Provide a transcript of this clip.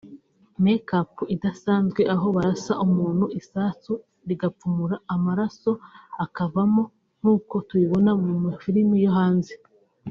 make up idasanzwe aho barasa umuntu isasu rigapfumura amaraso akavamo nk’uko tubibona mu mafilime yo hanze”